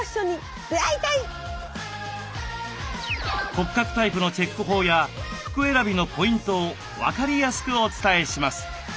骨格タイプのチェック法や服選びのポイントを分かりやすくお伝えします。